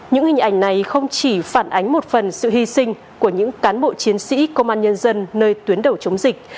những hình ảnh này không chỉ phản ánh một phần sự hy sinh của những cán bộ chiến sĩ công an nhân dân nơi tuyến đầu chống dịch